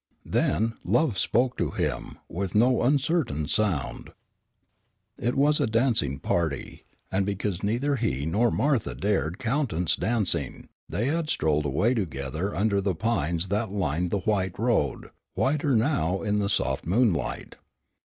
Then love spoke to him with no uncertain sound. It was a dancing party, and because neither he nor Martha dared countenance dancing, they had strolled away together under the pines that lined the white road, whiter now in the soft moonlight.